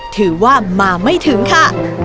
ถือว่ามาไม่ถึงค่ะ